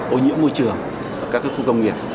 ô nhiễm môi trường các khu công nghiệp